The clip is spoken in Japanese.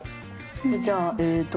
じゃあえっと